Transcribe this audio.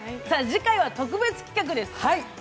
次回は特別企画です。